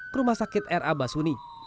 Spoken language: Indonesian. ke rumah sakit r a basuni